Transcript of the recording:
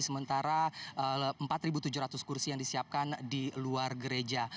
sementara empat tujuh ratus kursi yang disiapkan di luar gereja